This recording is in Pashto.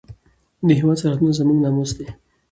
د هېواد سرحدونه زموږ ناموس دی.